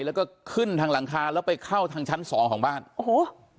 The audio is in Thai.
แล้วก็ขึ้นทางหลังคาแล้วไปเข้าทางชั้นสองของบ้านโอ้โห